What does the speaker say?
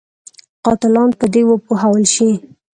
قاتلان په دې وپوهول شي.